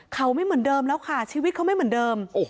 เขาไม่เหมือนเดิมแล้วค่ะชีวิตเขาไม่เหมือนเดิม